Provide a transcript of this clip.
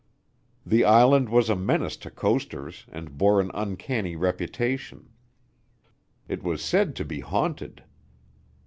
The island was a menace to coasters and bore an uncanny reputation. It was said to be haunted.